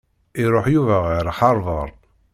Iṛuḥ Yuba ɣer Harvard.